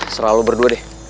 serah lu berdua deh